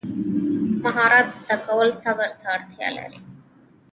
مهارت زده کول صبر ته اړتیا لري.